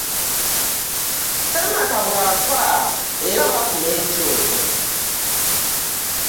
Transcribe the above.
Ssemaka bw'afa era bakuma ekyoto.